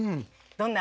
どんな？